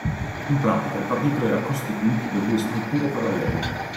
In pratica, il partito era costituito da due strutture parallele.